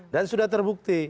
dan sudah terbukti